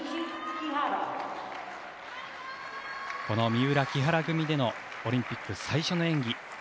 この三浦・木原組でのオリンピック最初の演技。